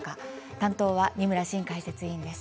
担当は二村伸解説委員です。